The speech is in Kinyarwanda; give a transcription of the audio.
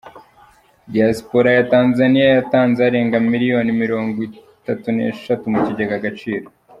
Diyasipora ya tanzaniya yatanze arenga miliyoni mirongo itatu neshatu mukigega agaciro